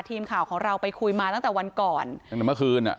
ทีมข่าวของเราไปคุยมาตั้งแต่วันก่อนตั้งแต่เมื่อคืนอ่ะ